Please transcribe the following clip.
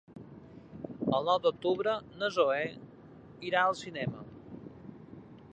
El nou d'octubre na Zoè irà al cinema.